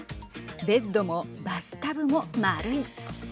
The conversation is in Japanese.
ベッドもバスタブも丸い。